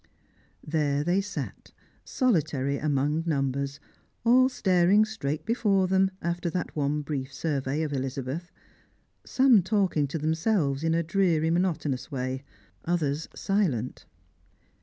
There they sat, solitary among numbers, all staring straight before them after that one brief survey of Elizabeth — Bome talking to themselves in a dreary monotonous way, others silent.